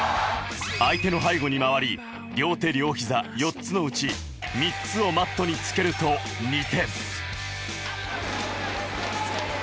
相手の背後に回り、両手両ひざ、４つのうち３つをマットにつけると２点。